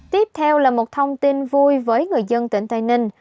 tiếp theo là một thông tin vui với người dân tỉnh tây ninh